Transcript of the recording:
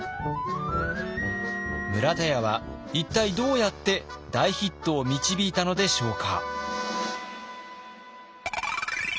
村田屋は一体どうやって大ヒットを導いたのでしょうか。